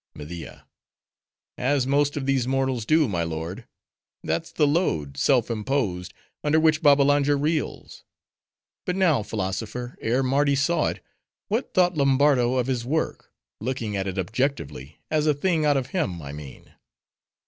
MEDIA. As most of these mortals do, my lord. That's the load, self imposed, under which Babbalanja reels. But now, philosopher, ere Mardi saw it, what thought Lombardo of his work, looking at it objectively, as a thing out of him, I mean.